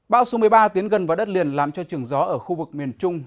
bão số một mươi ba tiến gần vào đất liền làm cho trường gió ở khu vực miền trung